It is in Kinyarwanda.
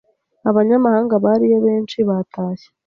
abanyamahanga bariyo benshi batashye